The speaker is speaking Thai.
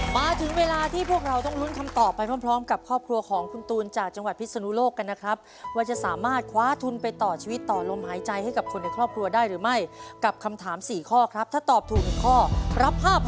มาถึงเวลาที่พวกเราต้องลุ้นคำตอบไปพร้อมกับครอบครัวของคุณตูนจากจังหวัดพิศนุโลกกันนะครับว่าจะสามารถคว้าทุนไปต่อชีวิตต่อลมหายใจให้กับคนในครอบครัวได้หรือไม่กับคำถาม๔ข้อครับถ้าตอบถูก๑ข้อรับ๕๐๐๐